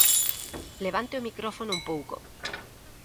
Levante o micrófono un pouco.